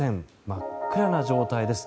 真っ暗な状態です。